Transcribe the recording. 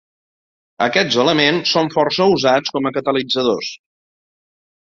Aquests elements són força usats com a catalitzadors.